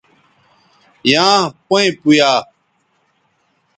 یاں پیئں پویا